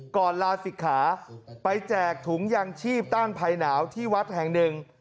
ลาศิกขาไปแจกถุงยางชีพต้านภัยหนาวที่วัดแห่งหนึ่ง